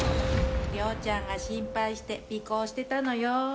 涼ちゃんが心配して尾行してたのよ。